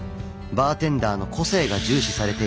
バーテンダーの個性が重視されているというのです。